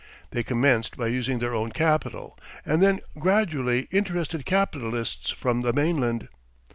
They commenced by using their own capital, and then gradually interested capitalists from the mainland.